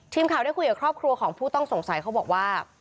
ทีมข่าวได้คุยกับครอบครัวของผู้ต้องสงสัยเขาบอกว่า